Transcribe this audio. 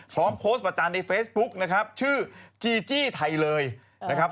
พร้อมโพสต์ประจานในเฟซบุ๊กนะครับชื่อจีจี้ไทยเลยนะครับ